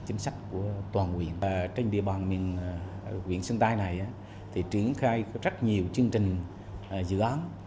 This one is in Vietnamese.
chính sách của toàn huyện trên địa bàn huyện sơn tây này triển khai rất nhiều chương trình dự án